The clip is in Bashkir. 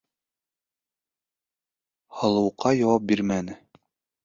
Һылыуҡай яуап бирмәне.